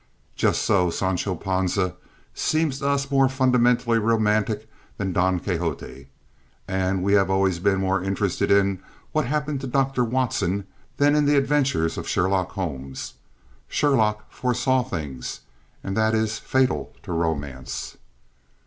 Just so Sancho Panza seems to us more fundamentally romantic than Don Quixote, and we have always been more interested in what happened to Doctor Watson than in the adventures of Sherlock Holmes. Sherlock foresaw things and that is fatal to romance.